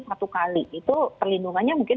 satu kali itu perlindungannya mungkin